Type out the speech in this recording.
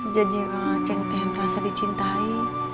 jadi kang aceh tem rasa dicintai